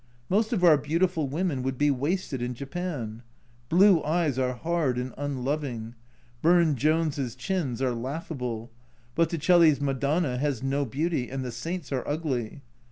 Most of our beautiful women would be wasted in Japan. Blue eyes are hard and unloving ! Burne Jones' chins are laughable ; Botticelli's Madonna has no beauty and the saints are ugly.